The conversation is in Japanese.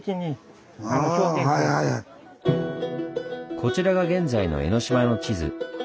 こちらが現在の江の島の地図。